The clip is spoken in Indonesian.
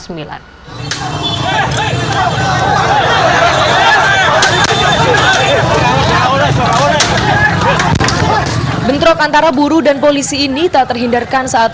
bentrok antara buruh dan polisi ini tak terhindarkan saat